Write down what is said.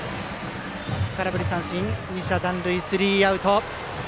空振り三振、２者残塁でスリーアウト。